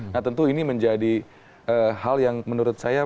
nah tentu ini menjadi hal yang menurut saya